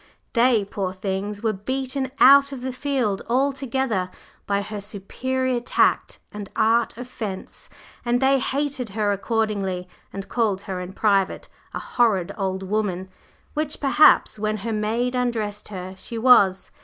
They, poor things, were beaten out of the field altogether by her superior tact and art of "fence," and they hated her accordingly and called her in private a "horrid old woman," which perhaps, when her maid undressed her, she was.